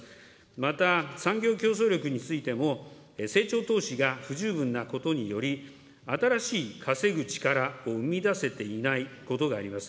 また、産業競争力についても、成長投資が不十分なことにより、新しい稼ぐ力を生み出せていないことがあります。